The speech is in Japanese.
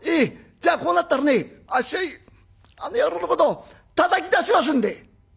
じゃあこうなったらねあっしはあの野郎のことをたたき出しますんで」。